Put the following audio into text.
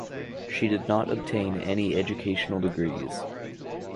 She did not obtain any educational degrees.